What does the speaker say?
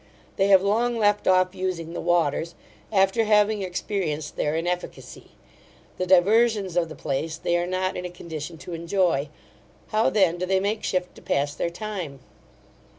They have long left off using the waters, after having experienced their inefficacy. The diversions of the place they are not in a condition to enjoy. How then do they make shift to pass their time?